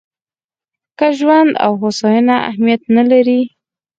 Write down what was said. که ژوند او هوساینه اهمیت نه لري.